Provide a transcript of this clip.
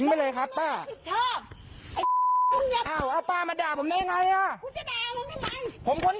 เอ้ยมีอย่างงี้ด้วยปอนดูดิ